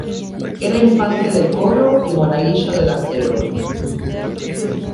Era infante del coro y monaguillo de La Seo.